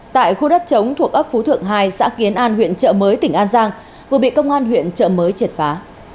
tại khu đất chống thuộc ấp phú thượng hai xã kiến an huyện trợ mới tỉnh an giang vừa bị công an huyện trợ mới triệt phá